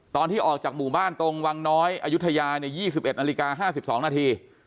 ตอนที่ออกจากหมู่บ้านตรงวังน้อยอายุทยา๒๑นาฬิกา๕๒นาที